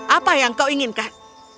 apa yang kau inginkan